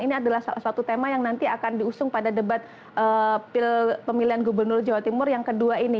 ini adalah salah satu tema yang nanti akan diusung pada debat pemilihan gubernur jawa timur yang kedua ini